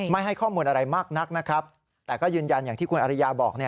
ให้ข้อมูลอะไรมากนักนะครับแต่ก็ยืนยันอย่างที่คุณอริยาบอก